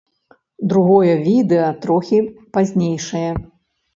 Другое відэа трохі пазнейшае.